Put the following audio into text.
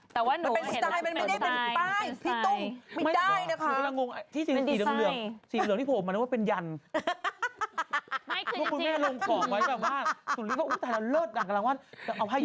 ตัวนั้นกี่หมื่นไม่บอกว่าเขาไม่เอาป้าย